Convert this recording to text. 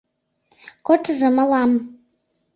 — Кодшыжо — мылам!